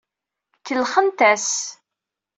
Kellxent-as.